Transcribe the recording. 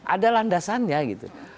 ada landasannya gitu